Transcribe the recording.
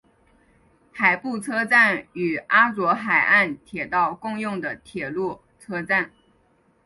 海部车站与阿佐海岸铁道共用的铁路车站。